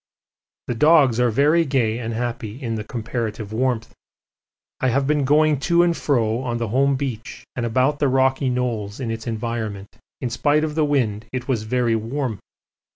The dogs are very gay and happy in the comparative warmth. I have been going to and fro on the home beach and about the rocky knolls in its environment in spite of the wind it was very warm.